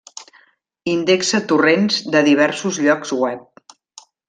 Indexa torrents de diversos llocs web.